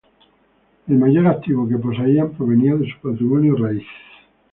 El mayor activo que poseían provenía de su patrimonio raíz.